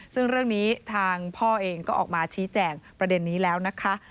ซึ่งเรื่องนี้ทางพ่อเองก็ออกมาชี้แจงประเด็นนี้แล้วนะคะ